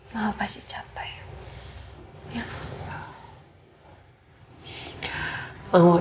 halo pak udah dimana